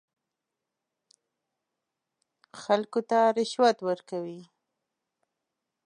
خلکو ته رشوت ورکوي.